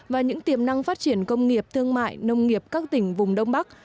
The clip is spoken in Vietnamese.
và những tiềm năng phát triển công nghiệp thương mại nông nghiệp các tỉnh vùng đông bắc